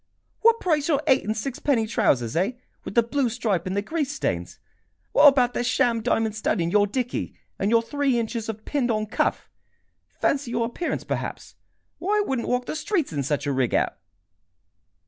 "What price your eight and sixpenny trousers, eh, with the blue stripe and the grease stains? What about the sham diamond stud in your dickey, and your three inches of pinned on cuff? Fancy your appearance, perhaps! Why, I wouldn't walk the streets in such a rig out!"